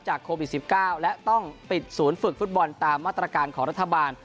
โควิด๑๙และต้องปิดศูนย์ฝึกฟุตบอลตามมาตรการของรัฐบาล